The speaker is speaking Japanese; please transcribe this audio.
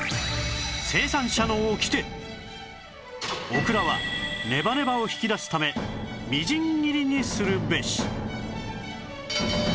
オクラはネバネバを引き出すためみじん切りにするべし！